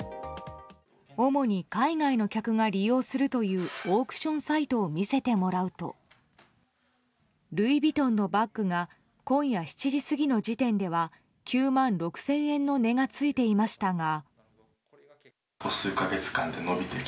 主に、海外の客が利用するというオークションサイトを見せてもらうとルイ・ヴィトンのバッグが今夜７時過ぎの時点では９万６０００円の値がついていましたが。